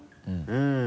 うん。